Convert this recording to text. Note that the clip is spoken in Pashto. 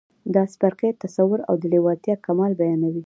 دا څپرکی تصور او د لېوالتیا کمال بيانوي.